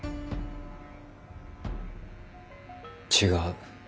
違う。